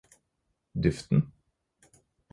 duften